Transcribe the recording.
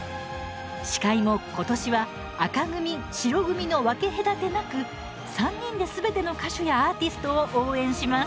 司会も、ことしは紅組・白組の分け隔てなく３人ですべての歌手やアーティストを応援します。